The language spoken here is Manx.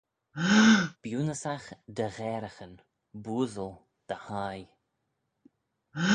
B'eunyssagh dty ghaaraghyn, b'ooasle dty hie!